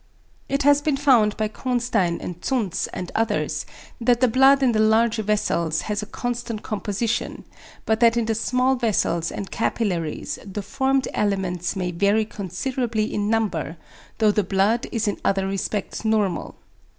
It has been found by Cohnstein and Zuntz and others that the blood in the large vessels has a constant composition, but that in the small vessels and capillaries the formed elements may vary considerably in number, though the blood is in other respects normal.